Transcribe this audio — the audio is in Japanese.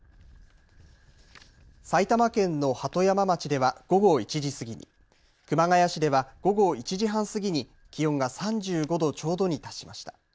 埼玉県の鳩山町では午後１時過ぎに、熊谷市では午後１時半過ぎに気温が３５度ちょうどに達しました。